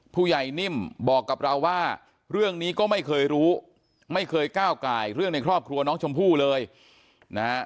ผู้ใหญ่นิ่มบอกกับเราว่าเรื่องนี้ก็ไม่เคยรู้ไม่เคยก้าวไก่เรื่องในครอบครัวน้องชมพู่เลยนะฮะ